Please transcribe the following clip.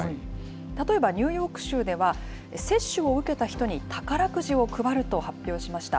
例えばニューヨーク州では、接種を受けた人に宝くじを配ると発表しました。